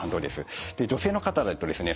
女性の方だとですね